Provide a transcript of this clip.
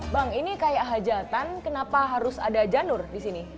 bang ini kayak hajatan kenapa harus ada janur di sini